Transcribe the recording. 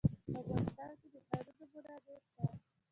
په افغانستان کې د ښارونه منابع شته.